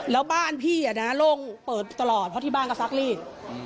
แล้วบ้านพี่โล่งเปิดตลอดเพราะที่บ้านก็ซักรีด